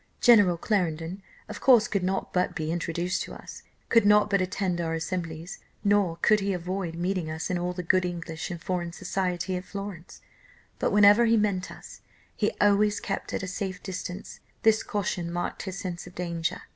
General Clarendon of course could not but be introduced to us, could not but attend our assemblies, nor could he avoid meeting us in all the good English and foreign society at Florence; but whenever he met us, he always kept at a safe distance: this caution marked his sense of danger.